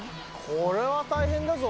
これは大変だぞ。